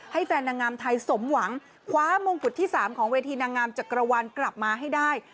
แฟนนางงามไทยสมหวังคว้ามงกุฎที่๓ของเวทีนางงามจักรวรรณกลับมาให้ได้